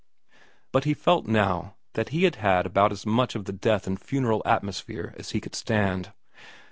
But he felt now that he had had about as much of the death and funeral atmosphere as he could stand.